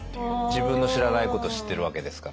自分の知らないことを知ってるわけですから。